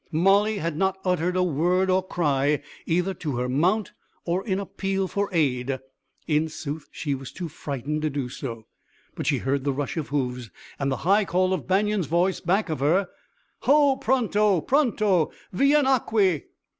Molly had not uttered a word or cry, either to her mount or in appeal for aid. In sooth she was too frightened to do so. But she heard the rush of hoofs and the high call of Banion's voice back of her: "Ho, Pronto! Pronto! _Vien' aqui!